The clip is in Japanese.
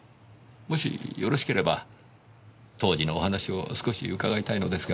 もしよろしければ当時のお話を少し伺いたいのですが。